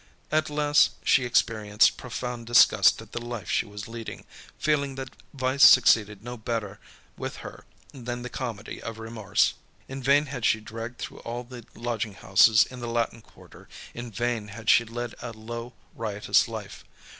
At last, she experienced profound disgust at the life she was leading, feeling that vice succeeded no better with her than the comedy of remorse. In vain had she dragged through all the lodging houses in the Latin Quarter, in vain had she led a low, riotous life.